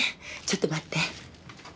ちょっと待って。